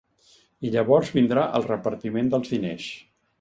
I llavors vindrà el repartiment dels diners.